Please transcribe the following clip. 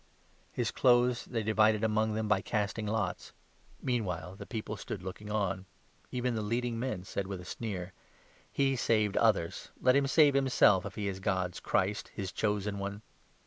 "] His clothes they divided among them by casting lots. Mean 35 while the people stood looking on. Even the leading men said with a sneer :" He saved others, let him save himself, if he is God's Christ, his Chosen One."